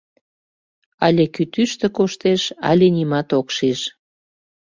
Але кӱтӱштӧ коштеш, але нимат ок шиж...